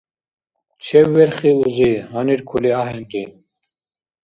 Чевверхи, узи, гьаниркули ахӀенри.